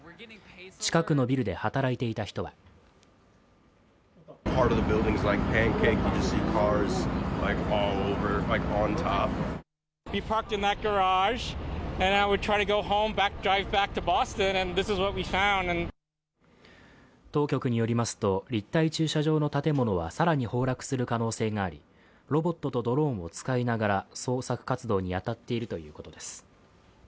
近くのビルで働いていた人は当局によりますと立体駐車場の建物は更に崩落する可能性があり、ロボットとドローンを使いながら捜索活動に当たっているということです。